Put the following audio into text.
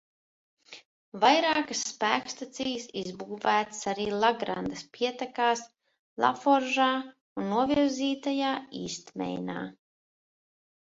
Vairākas spēkstacijas izbūvētas arī Lagrandas pietekās Laforžā un novirzītajā Īstmeinā.